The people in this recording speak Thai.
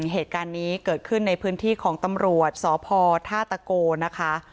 เหตุการณ์นี้เกิดขึ้นในพื้นที่ของตำรวจสพท่าตะโกนะคะ